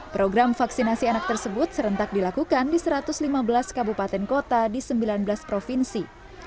program vaksinasi anak tersebut serentak dilakukan di satu ratus lima belas kabupaten kota di sembilan belas provinsi